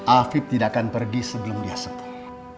afif tidak akan pergi sebelum dia sembuh